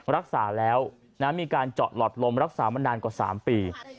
รักษาแล้วมีการเจาะหลอดลมรักษามานานกว่า๓ปี